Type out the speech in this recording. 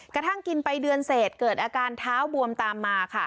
กระทั่งกินไปเดือนเสร็จเกิดอาการเท้าบวมตามมาค่ะ